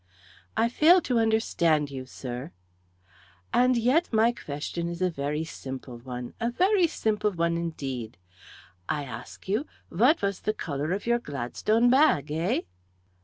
"I fail to understand you, sir." "And yet my question is a very simple one a very simple one indeed. I ask you, what was the colour of your Gladstone bag, eh?"